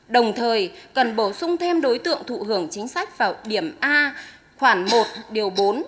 đồng thời cần bổ sung thêm đối tượng thụ hưởng chính sách vào điểm a khoảng một điều bốn